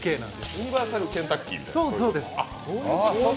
ユニバーサル・ケンタッキーみたいな。